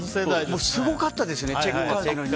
すごかったですよね。